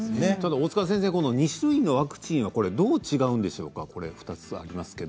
大塚先生、２種類のワクチンはどう違うんですか。